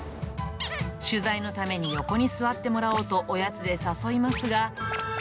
取材のために横に座ってもらおうと、おやつで誘いますが。